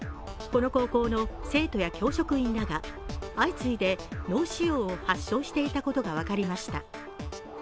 この高校の生徒や教職員らが相次いで脳腫瘍を発症していたことが分かりました。